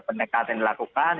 pendekatan yang dilakukan